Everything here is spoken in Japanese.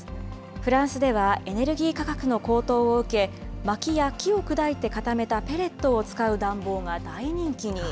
フランスでは、エネルギー価格の高騰を受け、まきや木を砕いて固めたペレットを使う暖房が大人気に。